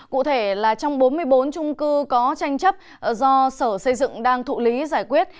cụ thể là trong bốn mươi bốn trung cư có tranh chấp do sở xây dựng đang thụ lý giải quyết